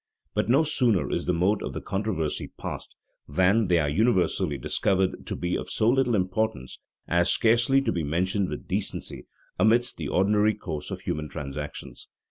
But no sooner is the mode of the controversy past, than they are universally discovered to be of so little importance, as scarcely to be mentioned with decency amidst the ordinary course of human transactions.